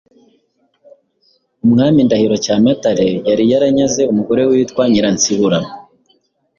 Umwami Ndahiro Cyamatare yari yaranyaze umugore witwa Nyiransibura